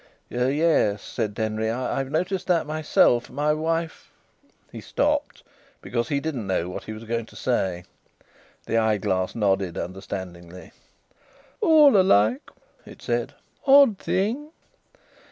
"Yes," said Denry. "I've noticed that myself. My wife...." He stopped, because he didn't know what he was going to say. The eyeglass nodded understandingly. "All alike," it said. "Odd thing!"